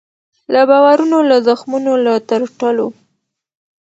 له بارونو له زخمونو له ترټلو